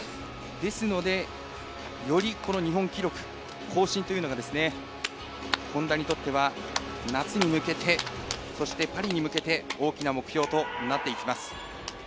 より日本記録更新というのが本多にとっては夏に向けてパリに向けて大きな目標となっています。